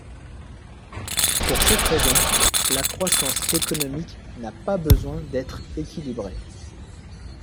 Pour cette raison, la croissance économique n'a pas besoin d'être équilibrée.